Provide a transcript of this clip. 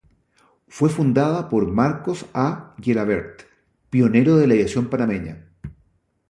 Fue fundada por Marcos A. Gelabert, pionero de la aviación panameña.